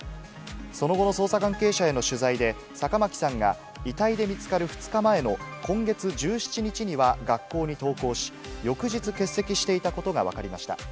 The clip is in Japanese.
その後の捜査関係者への取材で、坂巻さんが遺体で見つかる２日前の今月１７日には学校に登校し、翌日欠席していたことが分かりました。